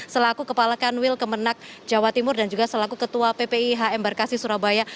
selaku kepala kanwil kemenak jawa timur dan juga selaku ketua ppih embarkasi surabaya